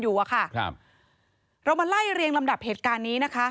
อยู่อะค่ะครับเรามาไล่เรียงลำดับเหตุการณ์นี้นะคะ